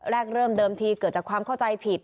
เริ่มเดิมทีเกิดจากความเข้าใจผิด